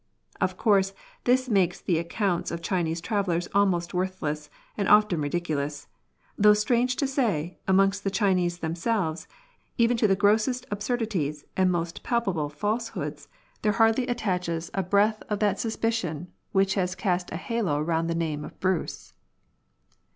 Of course this makes the ac counts of Chinese travellers almost worthless, and often ridiculous ; though strange to say, amongst the Chinese themselves, even to the grossest absurdities and most palpable falsehoods, there hardly attaches a i62 TRAVEL. breath of that suspicion which has cast a halo round the name of Bruce.